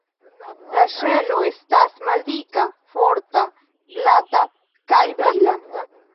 La ŝelo estas maldika, forta, glata kaj brila.